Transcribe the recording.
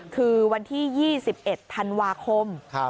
คือวันที่๒๑ธันวาคม